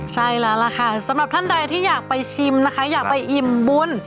ใช่แล้วล่ะค่ะสำหรับท่านใดที่อยากไปชิมนะคะอยากไปอิ่มบุญ